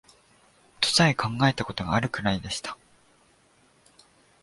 とさえ考えた事があるくらいでした